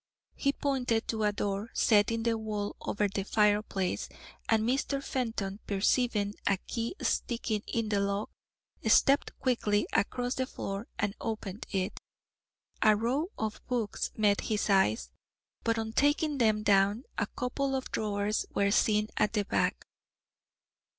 He pointed to a door set in the wall over the fireplace, and Mr. Fenton, perceiving a key sticking in the lock, stepped quickly across the floor and opened it. A row of books met his eyes, but on taking them down a couple of drawers were seen at the back.